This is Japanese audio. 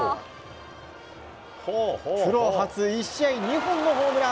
プロ初１試合２本のホームラン。